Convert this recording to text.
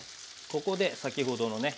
ここで先ほどのね